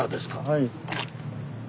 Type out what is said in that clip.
はい。